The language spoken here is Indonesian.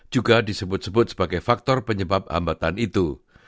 juga disebut sebut sebagai faktor penyebab hambatan itu